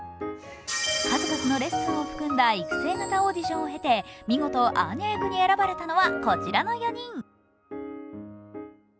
数々のレッスンを含んだ育成型オーディションを経て見事アーニャ役に選ばれたのはこちらの４人。